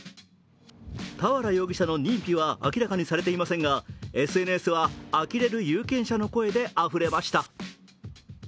俵容疑者の認否は明らかにされていませんがＳＮＳはあきれる有権者の声であふれました。